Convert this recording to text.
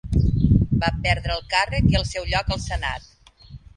Va perdre el càrrec i el seu lloc al senat.